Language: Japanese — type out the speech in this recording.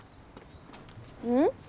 うん？